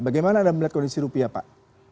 bagaimana anda melihat kondisi rupiah pak